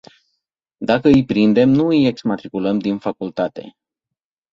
Dacă îi prindem nu îi exmatriculăm din facultate.